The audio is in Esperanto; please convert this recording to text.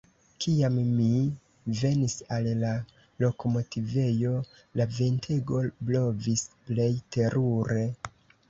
Kiam mi venis al la lokomotivejo, la ventego blovis plej terure.